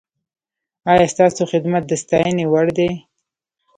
ایا ستاسو خدمت د ستاینې وړ دی؟